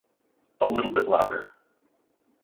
A little bit louder.